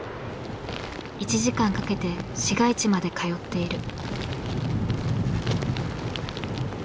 １時間かけて市街地まで通っている。